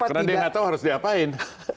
karena dia nggak tahu harus diapain